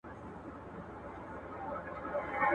ګواکي ستا په حق کي هیڅ نه دي لیکلي.